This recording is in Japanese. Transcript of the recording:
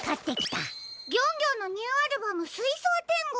ギョンギョンのニューアルバム「すいそう天国」。